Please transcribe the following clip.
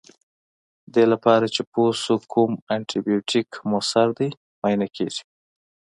دې لپاره چې پوه شو کوم انټي بیوټیک موثر دی معاینه کیږي.